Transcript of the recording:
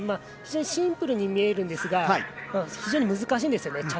シンプルに見えるんですが非常に難しいんですよね。